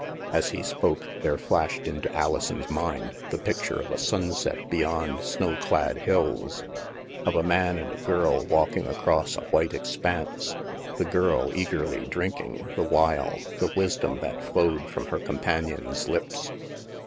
As he spoke, there flashed into Alison's mind the picture of a sunset beyond snowclad hills — of a man and a girl walking across a white expanse, the girl eagerly drinking, the while, the wisdom that flowed from her companion's lips.